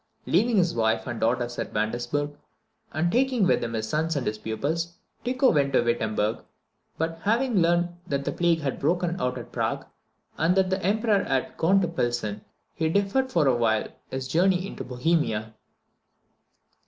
Leaving his wife and daughters at Wandesberg, and taking with him his sons and his pupils, Tycho went to Wittemberg; but having learned that the plague had broken out at Prague, and that the Emperor had gone to Pilsen, he deferred for a while his journey into Bohemia.